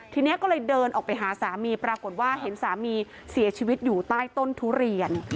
ทีนี้ก็เลยเดินออกไปหาสามีปรากฏว่าเห็นสามีเสียชีวิตอยู่ใต้ต้นทุเรียน